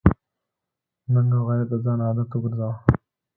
ننګ او غیرت د ځان عادت وګرځوه.